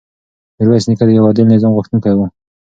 میرویس نیکه د یو عادل نظام غوښتونکی و.